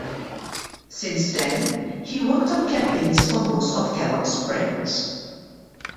Since then, he worked on campaigns for most of Kellogg's brands.